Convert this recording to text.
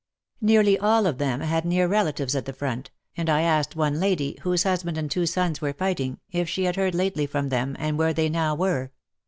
Nearly all of them had near relatives at the front, and I asked one lady, whose husband and two sons were fighting, if she had heard lately from them, and where they now were